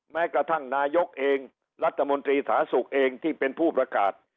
แม้กระทั่งนายกเองรัฐมนตรีสาธารณสุขเองที่เป็นผู้ประกาศ